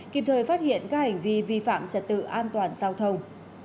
kịp thời phát hiện các hành vi vi phạm trật tự an toàn giao thông